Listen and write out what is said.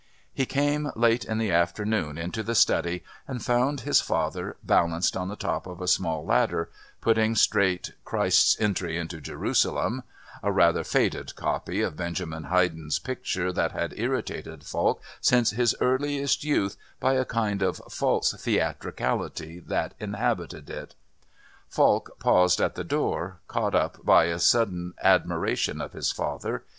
He came, late in the afternoon, into the study and found his father, balanced on the top of a small ladder, putting straight "Christ's Entry into Jerusalem," a rather faded copy of Benjamin Haydon's picture that had irritated Falk since his earliest youth by a kind of false theatricality that inhabited it. Falk paused at the door, caught up by a sudden admiration of his father.